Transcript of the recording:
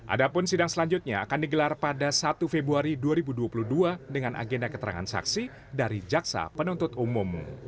adapun sidang selanjutnya akan digelar pada satu februari dua ribu dua puluh dua dengan agenda keterangan saksi dari jaksa penuntut umum